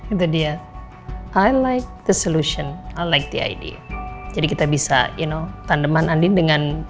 itu dia i like the solution i like the idea jadi kita bisa you know tandeman andin dengan